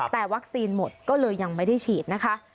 แต่วัคซีนหมดก็เลยยังไม่ได้ฉีดนะคะ